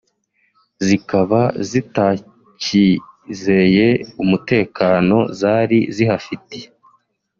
zikaba zitakizeye umutekano zari zihafite